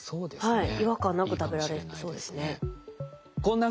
はい。